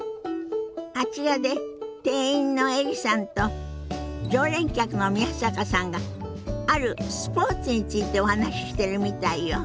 あちらで店員のエリさんと常連客の宮坂さんがあるスポーツについてお話ししてるみたいよ。